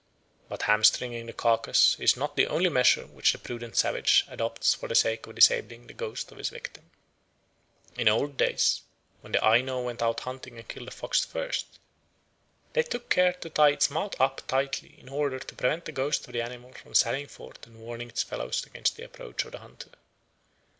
But hamstringing the carcase is not the only measure which the prudent savage adopts for the sake of disabling the ghost of his victim. In old days, when the Aino went out hunting and killed a fox first, they took care to tie its mouth up tightly in order to prevent the ghost of the animal from sallying forth and warning its fellows against the approach of the hunter.